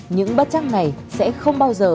những bất chắc này sẽ không bao giờ